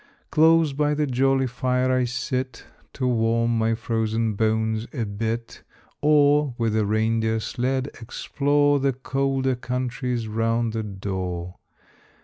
Close by the jolly fire I sit To warm my frozen bones a bit; Or, with a reindeer sled, explore The colder countries round the door.